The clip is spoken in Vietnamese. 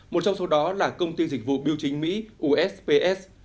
một trong số đó là công ty dịch vụ biêu chính mỹ usps